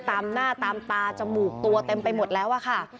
ตามหน้าตามตาจมูกตัวเต็มไปหมดแล้วอะค่ะ